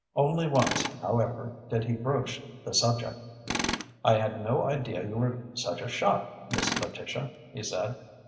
Only once, however, did he broach the subject. "I had no idea you were such a shot, Miss Letitia," he said.